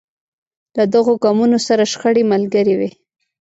له دغو ګامونو سره شخړې ملګرې وې.